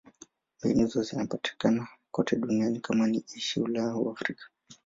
Mbinu hizo zinapatikana kote duniani: kama ni Asia, Ulaya au Afrika.